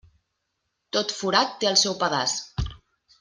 Tot forat té el seu pedaç.